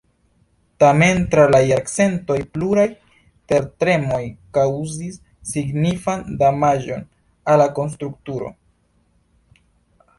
Tamen tra la jarcentoj pluraj tertremoj kaŭzis signifan damaĝon al la strukturo.